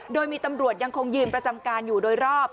โดยมีตำรวจยังคงยืนประจำการอยู่โดยรอบ